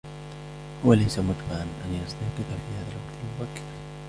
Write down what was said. هو ليس مجبرا أن يستيقظ في هذا الوقت المبكر.